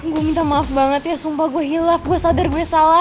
gua minta maaf banget ya sumpah gua hilaf gua sadar gua salah